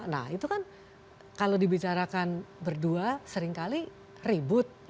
nah itu kan kalau dibicarakan berdua seringkali ribut